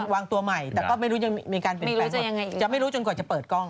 วางตัวใหม่แต่ก็ไม่รู้จนกว่าจะเปิดกล้อง